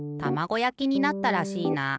やきになったらしいな。